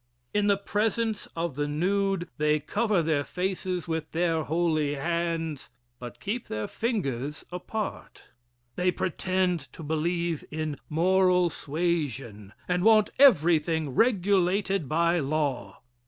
In the presence of the nude they cover their faces with their holy hands, but keep their fingers apart. They pretend to believe in moral suasion, and want everything regulated by law.